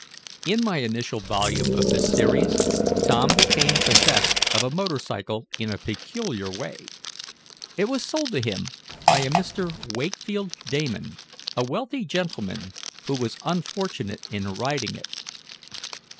In my initial volume of this series, Tom became possessed of a motor cycle in a peculiar way. It was sold to him by a Mr. Wakefield Damon, a wealthy gentleman who was unfortunate in riding it.